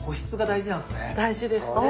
大事ですね。